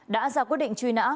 đã ra quyết định truy nã